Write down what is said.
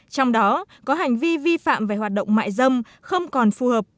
trong đó có hành vi vi phạm về hoạt động mại dâm không còn phù hợp